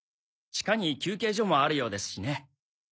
地下に休憩所もあるようですしね。